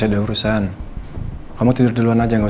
tadikulah sakit berebutin saya lagi